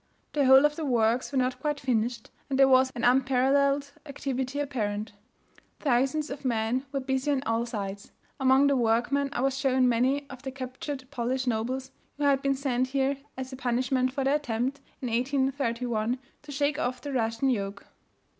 The whole of the works were not quite finished, and there was an unparalleled activity apparent. Thousands of men were busy on all sides. Among the workmen I was shown many of the captured Polish nobles who had been sent here as a punishment for their attempt, in 1831, to shake of the Russian yoke.